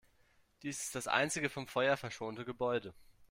Dies ist das einzige vom Feuer verschonte Gebäude.